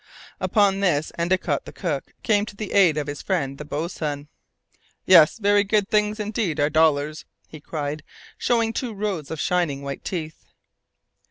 Upon this, Endicott, the cook, came to the aid of his friend the boatswain. "Yes, very good things indeed are dollars!" cried he, showing two rows of shining white teeth.